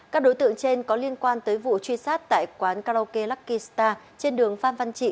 các đối tượng trên có liên quan tới vụ truy sát tại quán karoke lakista trên đường phan văn trị